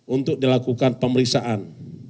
untuk dilakukan pemeriksaan